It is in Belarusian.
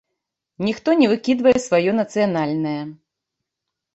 Ніхто не выкідвае сваё нацыянальнае.